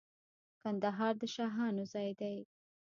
کندهار د شاهانو ځای دی.